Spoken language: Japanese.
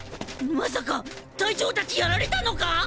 まさか隊長たちやられたのか！？